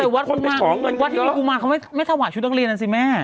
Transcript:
แต่วัดกุมานวัดที่มีกุมานเขาไม่ทะวัดชุดดังเรียนนั่นสิแม่